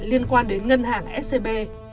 liên quan đến ngân hàng scb